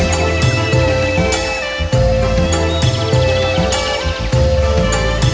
โชว์สี่ภาคจากอัลคาซ่าครับ